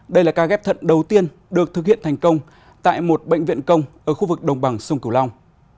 đây là ca ghép thận đầu tiên được thực hiện thành công tại một bệnh viện công ở khu vực đồng bằng sông cửu long